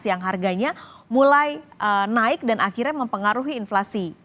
yang harganya mulai naik dan akhirnya mempengaruhi inflasi